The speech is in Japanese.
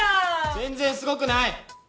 全然すごくない！